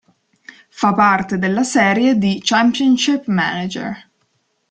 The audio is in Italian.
Fa parte della serie di "Championship Manager".